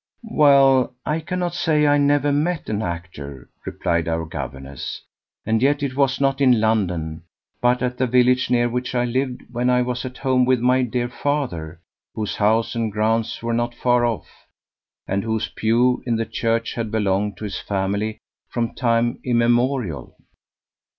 "Well, I cannot say I never met an actor," replied our governess; "and yet it was not in London, but at the village near which I lived when I was at home with my dear father, whose house and grounds were not far off, and whose pew in the church had belonged to his family from time immemorial."